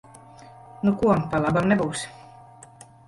Nu ko, pa labam nebūs.